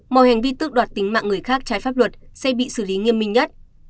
mọi hành vi tước đoạt tính mạng người khác trái pháp luật sẽ bị xử lý nghiêm minh nhất